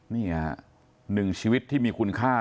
นี่หนึ่งชีวิตที่มีคุณค่า